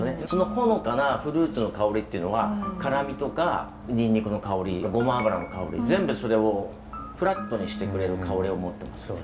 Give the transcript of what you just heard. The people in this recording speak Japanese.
そのほのかなフルーツの香りっていうのが辛みとかにんにくの香りごま油の香り全部それをフラットにしてくれる香りを持ってます。